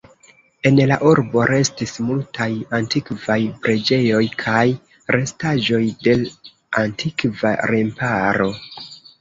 En la urbo restis multaj antikvaj preĝejoj kaj restaĵoj de antikva remparo.